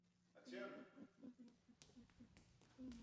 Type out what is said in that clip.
কাল থেকে বন্ধ হতে যাওয়া সংযোগের ক্ষেত্রেও একই নিয়ম প্রযোজ্য হবে।